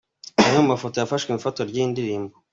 Reba amwe mu mafoto yafashwe mu ifatwa ry’iyi ndirimbo.